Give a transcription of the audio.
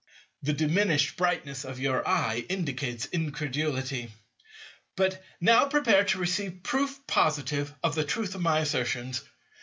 The diminished brightness of your eye indicates incredulity. But now prepare to receive proof positive of the truth of my assertions.